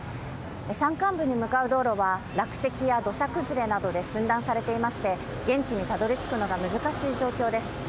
山間部に向かう道路は、落石や土砂崩れなどで寸断されていまして、現地にたどりつくのが難しい状況です。